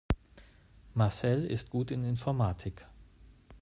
Marcel ist gut in Informatik.